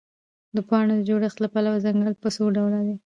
د پاڼو د جوړښت له پلوه ځنګل په څوډوله دی؟